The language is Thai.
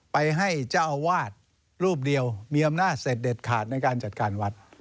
ไปให้เจ้าอาวาสรูปเดียวมีอำนาจเสร็จเด็ดขาดในการจัดการวัด